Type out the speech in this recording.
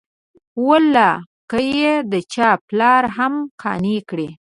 والله که یې د چا پلار هم قانع کړي.